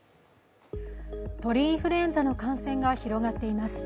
鳥インフルエンザの感染が広がっています。